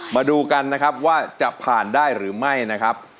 มาดูกันนะครับว่าจะผ่านได้หรือไม่นะครับ